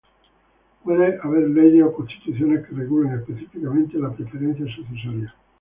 Puede haber leyes o constituciones que regulen específicamente la preferencia sucesoria.